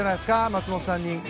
松元さんに。